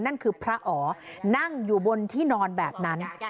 นั่นคือพระอ๋อนั่งอยู่บนที่นอนแบบนั้น